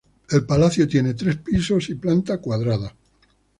El palacio tiene tres pisos y planta cuadrada.